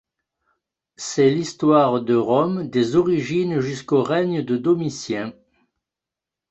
C'est l'histoire de Rome des origines jusqu'au règne de Domitien.